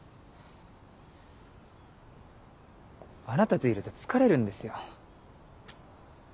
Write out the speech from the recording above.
あなたといると疲れるんですよ。